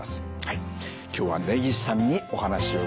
今日は根岸さんにお話を伺いました。